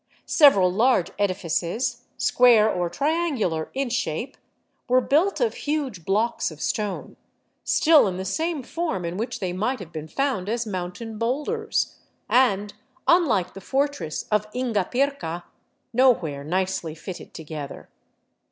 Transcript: Several large edifices, square or triangular in shape, were built of huge blocks of stone, still in the same form in vi^hich they might have been found as mountain boulders, and, unlike the fortress of Ingapirca, no where nicely fitted together.